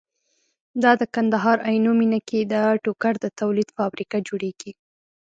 دا د کندهار عينو مينه کې ده ټوکر د تولید فابريکه جوړيږي